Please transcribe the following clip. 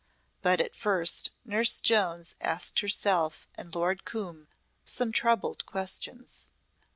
But at first Nurse Jones asked herself and Lord Coombe some troubled questions.